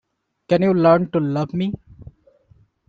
Can you learn to love me?